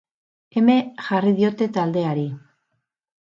Eme jarri diote taldeari.